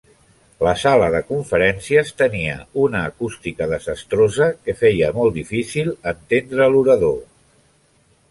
La sala de conferències tenia una acústica desastrosa que feien molt difícil entendre l'orador.